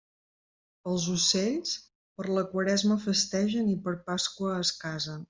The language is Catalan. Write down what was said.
Els ocells, per la Quaresma festegen i per Pasqua es casen.